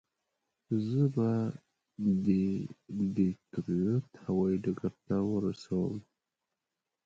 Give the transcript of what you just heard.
زه به دې ډیترویت هوایي ډګر ته ورسوم.